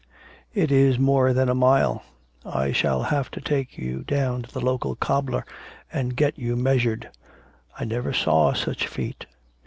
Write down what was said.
'It is more than a mile. I shall have to take you down to the local cobbler and get you measured. I never saw such feet.'